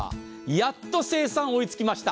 やっと生産追いつきました。